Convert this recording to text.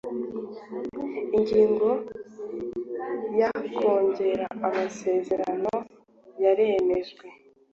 Ingingo ya kongera amasezerano yaremejwe